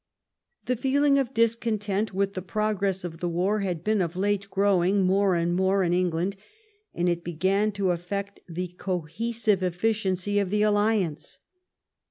*' The feeling of discontent with the progress of the war had been of late growing more and more in Eng land, and it began to affect the cohesive efficiency of the alliance.